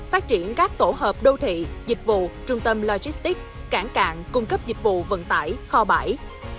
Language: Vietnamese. phát triển các tổ hợp đô thị dịch vụ trung tâm logistics cảng cạn cung cấp dịch vụ vận tải kho bãi